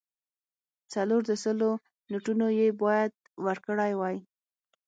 څلور د سلو نوټونه یې باید ورکړای وای.